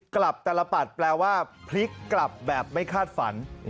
กลับตลปัดแปลว่าพลิกกลับแบบไม่คาดฝัน